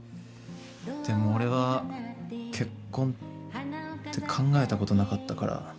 でも俺は結婚って考えたことなかったから。